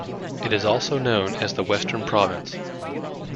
It is also known as the Western Province.